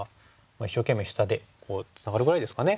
一生懸命下でツナがるぐらいですかね。